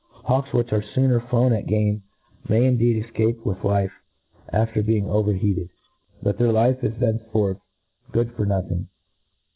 Hawks which arc fooher flown at game may indeed efcape with life after being over heated 5 but their life is thenceforth good for nothing.